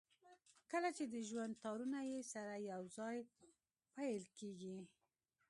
کله چې د ژوند تارونه يې سره يو ځای پييل کېږي.